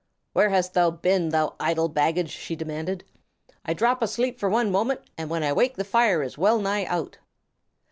"Where hast thou been, thou idle baggage?" she demanded. "I drop asleep for one moment, and when I wake the fire is well nigh out."